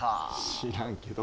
知らんけど。